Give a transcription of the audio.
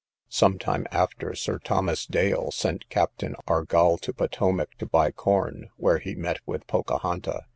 Some time after, Sir Thomas Dale sent captain Argall to Patowmac to buy corn, where he met with Pocahonta.